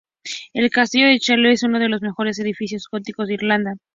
El castillo de Charleville es uno de los mejores edificios góticos de Irlanda.